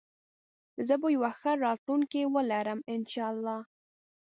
زه به يو ښه راتلونکي ولرم انشاالله